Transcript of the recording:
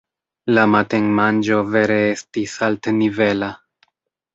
La matenmanĝo vere estis altnivela.